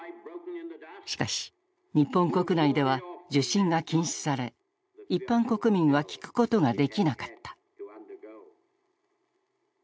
しかし日本国内では受信が禁止され一般国民は聴くことができなかった。